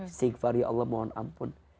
istighfar ya allah mohon ampun